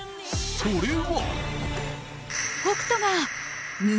それは。